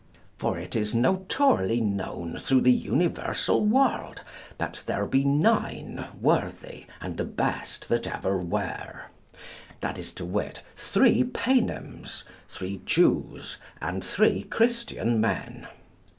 For it is notoyrly known through the universal world that there be nine worthy and the best that ever were; that is to wit three Paynims, three Jews, and three Christian men.